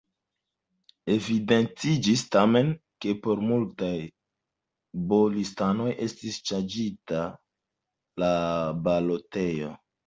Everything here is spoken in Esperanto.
Evidentiĝis tamen, ke por multaj B-listanoj estis ŝanĝita la balotejo.